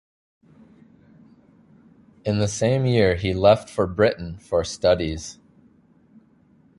In the same year he left for Britain for studies.